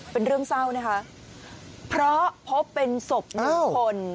เป็นเรื่องเศร้านะคะเพราะพบเป็นศพหนึ่งคน